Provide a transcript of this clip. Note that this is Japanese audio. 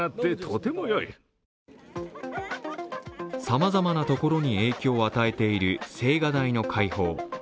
さまざまなところに影響を与えている青瓦台の開放。